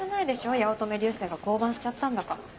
八乙女流星が降板しちゃったんだから。